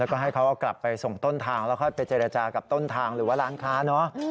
แล้วก็ให้เขาเอากลับไปส่งต้นทางแล้วค่อยไปเจรจากับต้นทางหรือว่าร้านค้าเนอะ